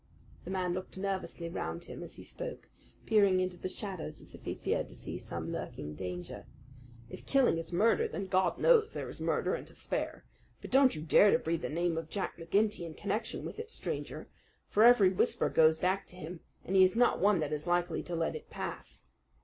The man looked nervously round him as he spoke, peering into the shadows as if he feared to see some lurking danger. "If killing is murder, then God knows there is murder and to spare. But don't you dare to breathe the name of Jack McGinty in connection with it, stranger; for every whisper goes back to him, and he is not one that is likely to let it pass.